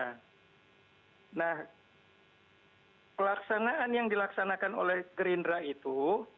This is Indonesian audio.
nah pelaksanaan yang dilaksanakan oleh gerindra itu